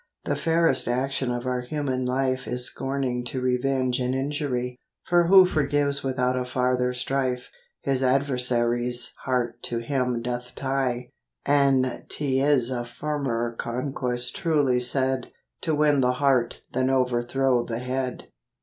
'THE fairest action of our human life " L Is scorning to revenge an injury; For who forgives without a farther strife, His adversary's heart to him doth tie, And't is a firmer conquest truly said, To win the heart than overthrow the head.